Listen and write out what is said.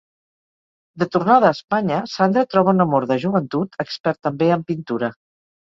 De tornada a Espanya, Sandra troba un amor de joventut, expert també en pintura.